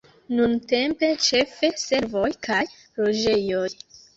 Nuntempe ĉefe servoj kaj loĝejoj.